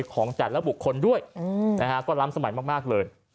ของแต่ละบุคคลด้วยนะฮะก็ล้ำสมัยมากเลย